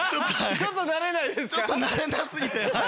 ちょっと慣れな過ぎてはい。